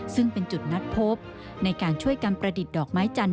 ซึ่งเป็นจุดนัดพบในการช่วยกันประดิษฐ์ดอกไม้จันท